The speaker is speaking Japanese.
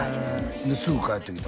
すぐ返ってきた？